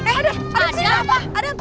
eh adam adam